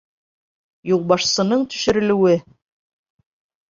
ЮЛБАШСЫНЫҢ ТӨШӨРӨЛӨҮЕ